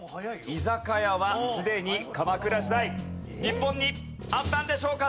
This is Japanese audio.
居酒屋はすでに鎌倉時代日本にあったんでしょうか？